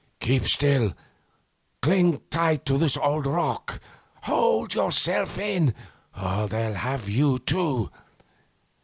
'Keep still! Cling tight to this old rock! Hold yourself in, or else they'll have you too!